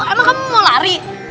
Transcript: amah kamu mau lari